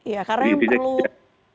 ya karena yang perlu